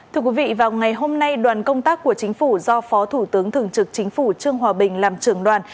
thưa quý vị vào ngày hôm nay đoàn công tác của chính phủ do phó thủ tướng thường trực chính phủ trương hòa bình làm trưởng đoàn